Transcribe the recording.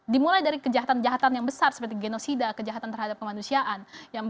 dimulai dari kejahatan kejahatan yang besar seperti genosida kejahatan terhadap kemanusiaan